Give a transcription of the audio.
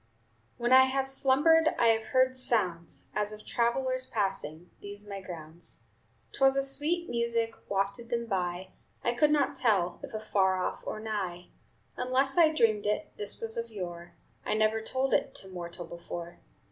"When I have slumbered I have heard sounds As of travelers passing These my grounds. "'T was a sweet music Wafted them by, I could not tell If afar off or nigh. "Unless I dreamed it This was of yore; I never told it To mortal before.